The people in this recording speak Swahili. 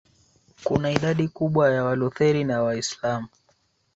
kuna idadi kubwa ya Walutheri na Waislamu